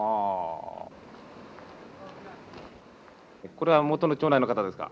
これはもとの町内の方ですか？